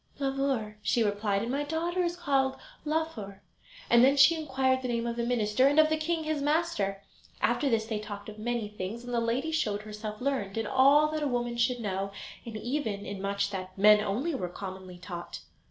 "Blauvor," she replied "and my daughter is called Laufer"; and then she inquired the name of the minister, and of the king his master. After this they talked of many things, and the lady showed herself learned in all that a woman should know, and even in much that men only were commonly taught.